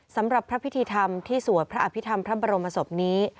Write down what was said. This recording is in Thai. สำหรับพระพิธีธรรมที่สวดพระอภิษฐรรมพระบรมศพนี้